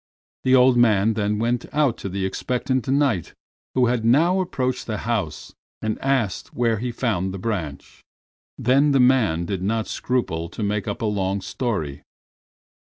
The old man then went out to the expectant Knight, who had now approached the house, and asked where he had found the branch. Then the man did not scruple to make up a long story.